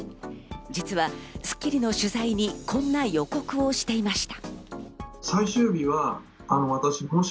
実は『スッキリ』の取材に、こんな予告をしていました。